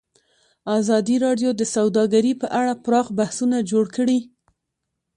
ازادي راډیو د سوداګري په اړه پراخ بحثونه جوړ کړي.